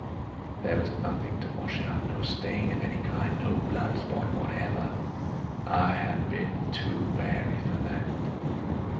There was nothing to wash out—no stain of any kind—no blood spot whatever. I had been too wary for that.